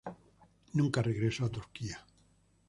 Nunca regresó a Turquía.